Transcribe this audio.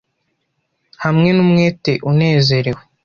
Hamwe n'umwete unezerewe.